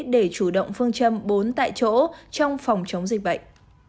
để chủ động phương châm bốn tại chỗ trong phòng chống dịch bệnh